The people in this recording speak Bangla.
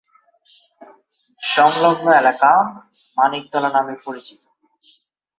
সংলগ্ন এলাকা মানিকতলা নামে পরিচিত।